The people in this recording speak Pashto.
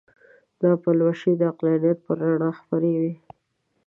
دا پلوشې د عقلانیت پر رڼاوو خپرې وې.